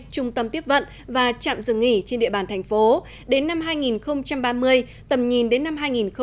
trung tâm tiếp vận và chạm dừng nghỉ trên địa bàn thành phố đến năm hai nghìn ba mươi tầm nhìn đến năm hai nghìn năm mươi